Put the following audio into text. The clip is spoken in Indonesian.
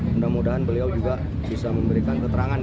mudah mudahan beliau juga bisa memberikan keterangan